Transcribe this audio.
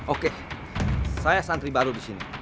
oke saya santri baru di sini